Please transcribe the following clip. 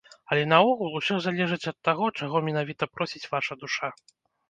Але наогул, усё залежыць ад таго, чаго менавіта просіць ваша душа.